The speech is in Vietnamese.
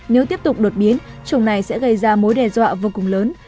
nếu tiếp tục đột biến chủng này sẽ gây ra mối đe dọa vô cùng lớn